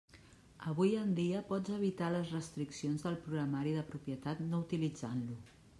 Avui en dia pots evitar les restriccions del programari de propietat no utilitzant-lo.